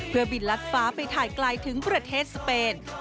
เพื่อบินลัดฟ้าไปถ่ายไกลถึงประเทศสเปน